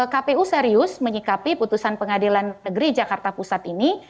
kpu serius menyikapi putusan pengadilan negeri jakarta pusat ini